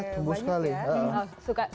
tungguh subur begitu ya